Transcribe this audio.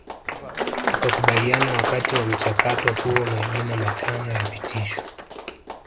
Tukakubaliana Wakati wa mchakato huo majina matano yapitishwe